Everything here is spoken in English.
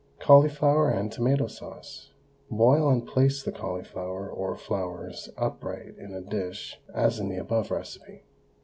CAULIFLOWER AND TOMATO SAUCE. Boil and place the cauliflower or flowers upright in a dish as in the above recipe.